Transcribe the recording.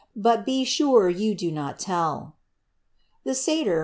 Bui be sine you do nol tell/ The saljT.